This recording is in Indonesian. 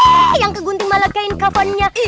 ibu ranti mau ngegunting malah kain kafannya